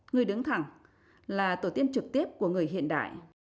người đứng thẳng là tổ tiên trực tiếp của người hiện đại